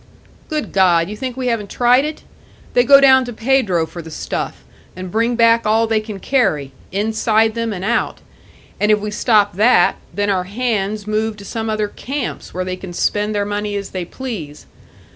"Good God! You think we haven't tried it? They go down to Pedro for the stuff, and bring back all they can carry inside them and out. And if we stop that then our hands move to some other camps, where they can spend their money as they please.